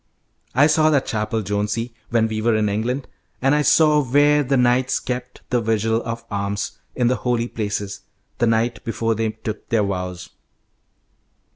I saw that chapel, Jonesy, when we were in England, and I saw where the knights kept the 'vigil of arms' in the holy places, the night before they took their vows."